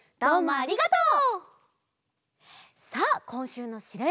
ありがとう！